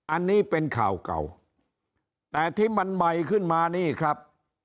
อันนี้เป็นข่าวเก่าแต่ที่มันใหม่ขึ้นมานี่ครับ